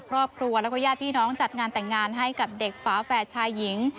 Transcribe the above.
ครอบครัวแล้วก็ญาติพี่น้องจัดงานแต่งงานให้กับเด็กฝาแฝดชายหญิง